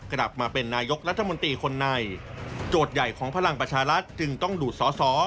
กลับมาเป็นนายกรัฐมนตรีคนในโจทย์ใหญ่ของพลังประชารัฐจึงต้องดูดสอสอ